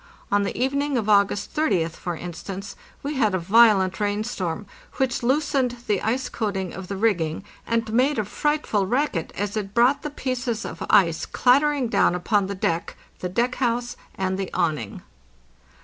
On the even ing of August 30th, for instance, we had a violent rain storm, which loosened the ice coating of the rigging and made a fright ful racket as it brought the pieces of ice clattering down upon the deck, the deck house, and the awning.